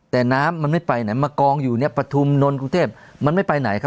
แต่น้ำมันไม่ไปไหนมากองอยู่เนี่ยปฐุมนนท์กรุงเทพมันไม่ไปไหนครับ